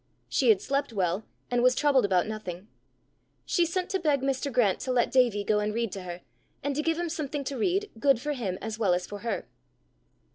She had slept well, and was troubled about nothing. She sent to beg Mr. Grant to let Davie go and read to her, and to give him something to read, good for him as well as for her.